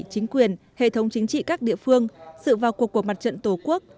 chính quyền hệ thống chính trị các địa phương sự vào cuộc của mặt trận tổ quốc